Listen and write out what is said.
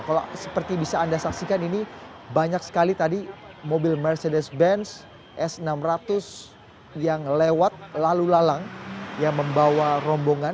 kalau seperti bisa anda saksikan ini banyak sekali tadi mobil mercedes benz s enam ratus yang lewat lalu lalang yang membawa rombongan